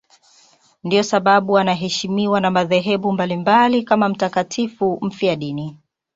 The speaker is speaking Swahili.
Ndiyo sababu anaheshimiwa na madhehebu mbalimbali kama mtakatifu mfiadini.